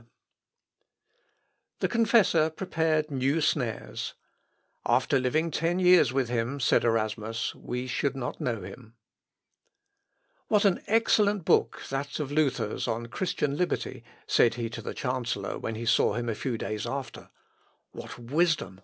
[Sidenote: PONTANUS AND GLAPIO.] The confessor prepared new snares. "After living ten years with him," said Erasmus, "we should not know him." "What an excellent book that of Luther's on 'Christian Liberty,'" said he to the chancellor when he saw him a few days after "what wisdom!